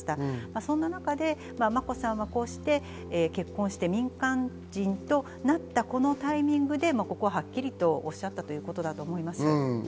そんな中、眞子さんは結婚して民間人となったこのタイミングでここをはっきりとおっしゃったということだと思います。